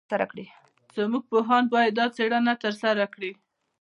زموږ پوهان باید دا څېړنه ترسره کړي.